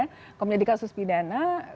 kalau menjadi kasus pidana